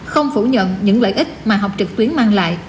không phủ nhận những lợi ích mà học trực tuyến mang lại